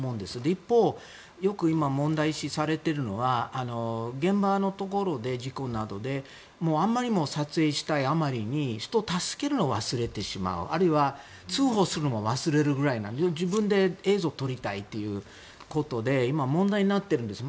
一方、よく今問題視されているのは現場のところで、事故などで撮影したいあまりに人を助けるのを忘れてしまうあるいは通報するのも忘れるぐらいで自分で映像を撮りたいということで今、問題になってるんです。